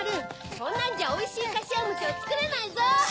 そんなんじゃおいしいかしわもちをつくれないぞ！